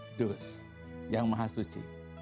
al kudus yang maha suci